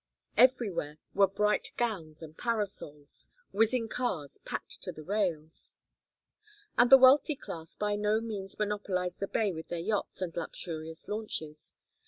Everywhere were bright gowns and parasols, whizzing cars packed to the rails. And the wealthy class by no means monopolized the bay with their yachts and luxurious launches.